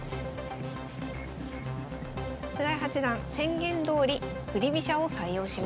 菅井八段宣言どおり振り飛車を採用します。